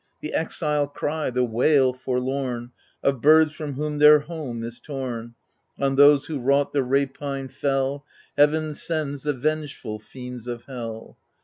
The exile cry, the wail forlorn. Of birds from whom their home is torn — On those who wrought the rapine fell, Heaven sends the vengeful fiends of hell.